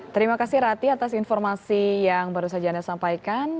terima kasih rati atas informasi yang baru saja anda sampaikan